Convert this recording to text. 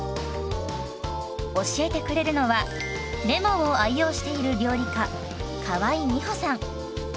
教えてくれるのはレモンを愛用している料理家河井美歩さん。